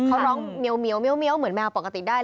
เขาร้องเมียวเหมือนแมวปกติได้